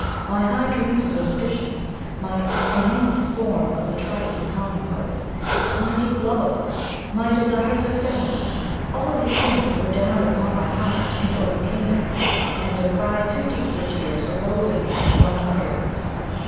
My high dreams of ambition, my innate scorn of the trite and commonplace, my deep love of art, my desires of fame all these things bore down upon my heart and overcame it, and a pride too deep for tears arose in me and found utterance.